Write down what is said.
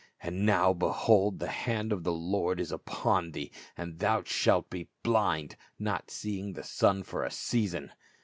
And now, behold, the hand of the Lord is upon thee. SENT FORTH. 281 and thou shalt be blind, not seeing the sun for a season